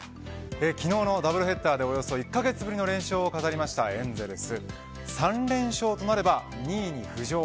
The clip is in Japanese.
昨日のダブルヘッダーでおよそ１カ月ぶりの連勝を飾ったエンゼルス３連勝となれば２位に浮上。